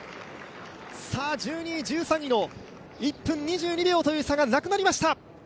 １２位、１３位の１分２２秒という差がなくなりました。